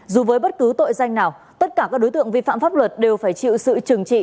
dù với bất cứ tội danh nào tất cả các đối tượng vi phạm pháp luật đều phải chịu sự trừng trị